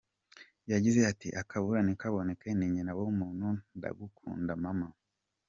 Yagize ati” ‘akabura ntikaboneke ni nyina w’umuntu’ Ndagukunda Mama”.